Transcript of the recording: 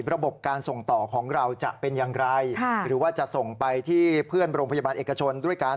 ระบบการส่งต่อของเราจะเป็นอย่างไรหรือว่าจะส่งไปที่เพื่อนโรงพยาบาลเอกชนด้วยกัน